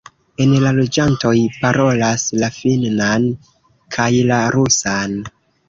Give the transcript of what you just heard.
El la loĝantoj parolas la finnan kaj la rusan.